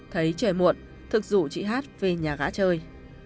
thấy trời muộn thực dụ chị hát về nhà gã chơi